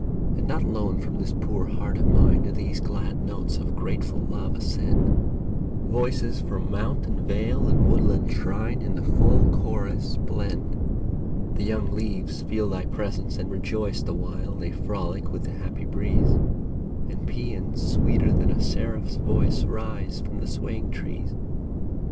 And not alone from this poor heart of mine Do these glad notes of grateful love ascend ; Voices from mount and vale and woodland shrine In the full chorus blend. The young leaves feel thy presence and rejoice The while they frolic with the happy breeze ; And paeans sweeter than a seraph's voice Rise from the swaying trees.